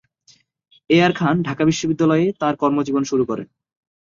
এ R Khan Dhaka বিশ্ববিদ্যালয়ে তাঁর কর্মজীবন শুরু করেন।